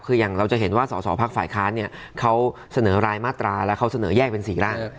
คืออย่างเราจะเห็นว่าสอสอพักฝ่ายค้านเนี่ยเขาเสนอรายมาตราแล้วเขาเสนอแยกเป็น๔ร่าง